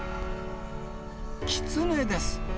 キツネです。